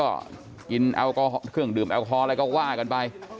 เอาเครื่องดื่มแอลคอลอะไรก็ว่ากันไป